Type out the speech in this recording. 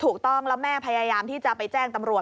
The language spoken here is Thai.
ว่าแม่พยายามที่จะไปแจ้งตำรวจ